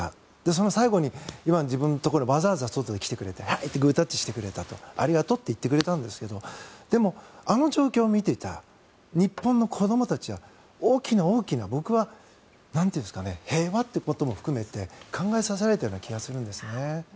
その最後に、イバンが自分のところにわざわざ来てくれてハイってグータッチしてくれたありがとうって言ってくれたんですけどでも、あの状況を見ていた日本の子どもたちは大きな大きな僕は平和ということも含めて考えさせられたような気がするんですね。